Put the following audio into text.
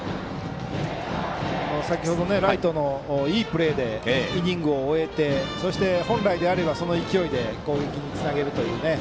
先程ライトのいいプレーでイニングを終えてそして、本来であればその勢いで攻撃につなげるというね。